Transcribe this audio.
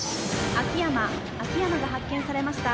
秋山が発見されました。